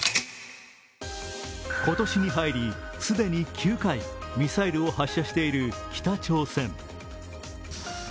今年に入り、既に９回ミサイルを発射している北朝鮮。